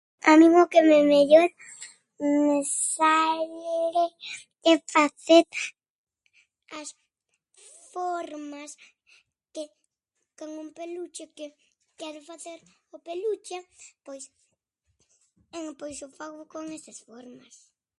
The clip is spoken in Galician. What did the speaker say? A min o que me- mellor me sale é facer as formas que con un peluche que quero facer o peluche, pois, pois o fago con esas formas.